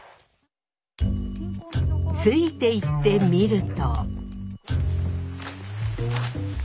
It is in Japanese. ついていってみると。